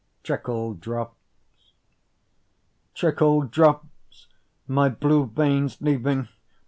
Trickle Drops Trickle drops! my blue veins leaving!